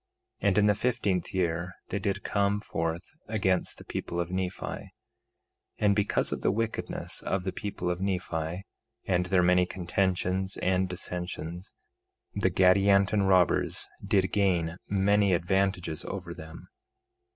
And in the fifteenth year they did come forth against the people of Nephi; and because of the wickedness of the people of Nephi, and their many contentions and dissensions, the Gadianton robbers did gain many advantages over them.